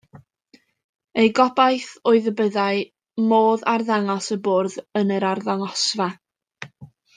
Eu gobaith oedd y byddai modd arddangos y bwrdd yn yr arddangosfa.